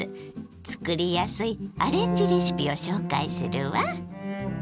作りやすいアレンジレシピを紹介するわ。